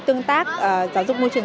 tương tác giáo dục môi trường